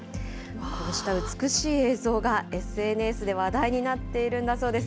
こうした美しい映像がＳＮＳで話題になっているんだそうです。